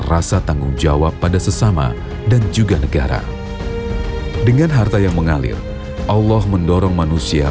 rasa tanggung jawab pada sesama dan juga negara dengan harta yang mengalir allah mendorong manusia